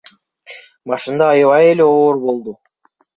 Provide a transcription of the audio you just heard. Башында аябай эле оор болду.